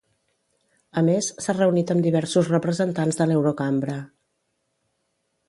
A més, s'ha reunit amb diversos representants de l'Eurocambra.